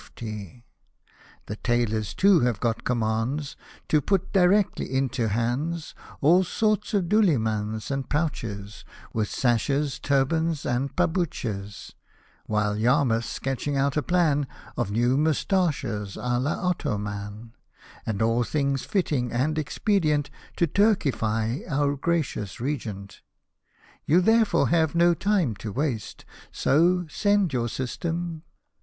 " Hosted by Google EXTRACTS FROM DIARY OF A POLITICIAN 171 The tailors too have got commands, To put directly into hands All sorts of Dulimans and Pouches, With Sashes, Turbans, and Paboutches, (While Y — rm — th's sketching out a plan Of new Moustaches a V Ottomane) And all things fitting and expedient To turkify our gracious R — g — nt ! You, therefore, have no time to waste — So, send your System.